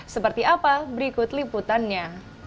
seperti apa berikut liputannya